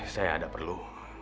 saya ada perlu